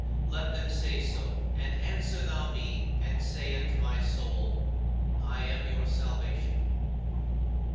Let them say so, and answer thou me and say unto my soul, "I am your salvation."